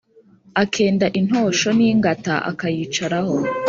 akenda intoshon’ingata akayicaraho,